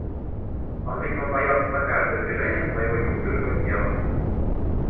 Он видимо боялся за каждое движение своего неуклюжего тела.